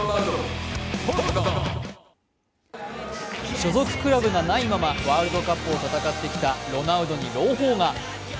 所属クラブがないままワールドカップを戦ってきたロナウドに朗報が。